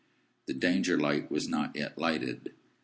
The Danger light was not yet lighted.